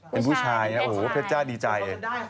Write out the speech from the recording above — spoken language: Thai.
เป็นผู้ชายนะโอ้โหเพชรจ้าดีใจ